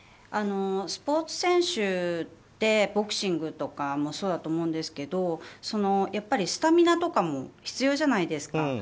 スポーツ選手ってボクシングとかもそうだと思うんですけどスタミナとかも必要じゃないですか。